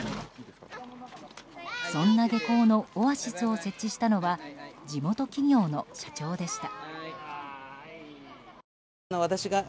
そんな下校のオアシスを設置したのは地元企業の社長でした。